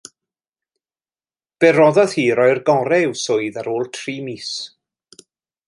Fe roddodd hi roi'r gorau i'w swydd ar ôl tri mis.